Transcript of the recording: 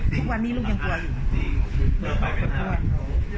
ทุกวันนี้ลูกยังกลัวอยู่